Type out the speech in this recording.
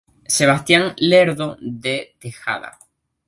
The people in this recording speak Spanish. Sebastián Lerdo de Tejada.